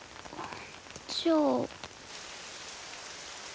じゃあ。